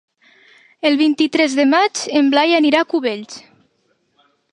El vint-i-tres de maig en Blai anirà a Cubells.